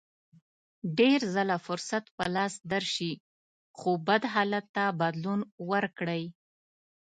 ډېر ځله فرصت په لاس درشي چې بد حالت ته بدلون ورکړئ.